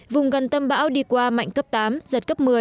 vùng gần tâm bão đi qua mạnh cấp tám giật cấp một mươi